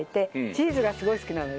チーズがすごい好きなのね。